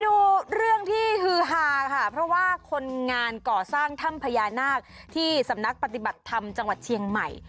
ดูเรื่องที่ฮือฮาค่ะเพราะว่าคนงานก่อสร้างถ้ำพญานาคที่สำนักปฏิบัติธรรมจังหวัดเชียงใหม่